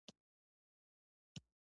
هغه په ډېر تروه تندي ترې يوه پوښتنه وکړه.